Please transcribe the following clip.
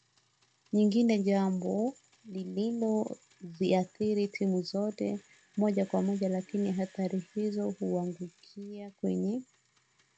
nyingine Jambo hili linaziathiri timu zote moja kwa moja lakini athari hizi huangukia kwenye